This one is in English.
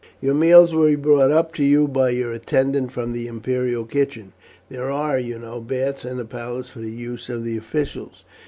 Your meals will be brought up to you by your attendant from the imperial kitchen. There are, you know, baths in the palace for the use of the officials.